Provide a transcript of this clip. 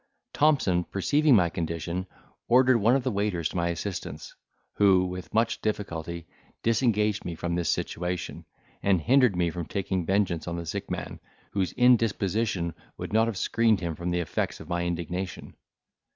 Thompson, perceiving my condition, ordered one of the waiters to my assistance, who, with much difficulty, disengaged me from this situation, and hindered me from taking vengeance on the sick man, whose indisposition would not have screened him from the effects of my indignation.